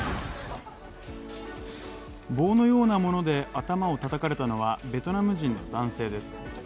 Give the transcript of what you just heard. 棒のようなもので頭をたたかれたのはベトナム人の男性です。